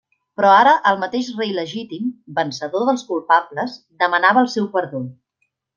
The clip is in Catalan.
Però ara el mateix rei legítim, vencedor dels culpables, demanava el seu perdó.